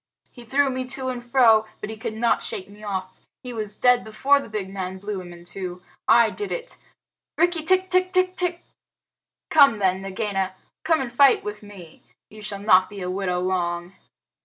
"He threw me to and fro, but he could not shake me off. He was dead before the big man blew him in two. I did it! Rikki tikki tck tck! Come then, Nagaina. Come and fight with me. You shall not be a widow long."